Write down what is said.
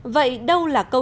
vậy đâu là câu chuyện